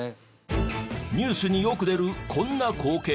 ニュースによく出るこんな光景。